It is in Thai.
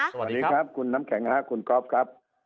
สวัสดีครับคุณน้ำแข็งคุณก๊อฟครับ